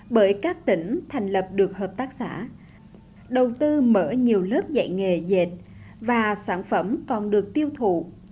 bởi các tỉnh thành lập được hợp tác xã đầu tư mở nhiều lớp dạy nghề dệt và sản phẩm còn được tiêu thụ